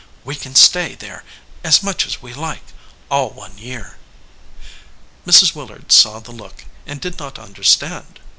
We can stay there as much as we like, all one year." Mrs. Willard saw the look, and did not under stand.